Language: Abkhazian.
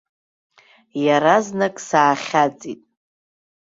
Иаразнак саахьаҵит.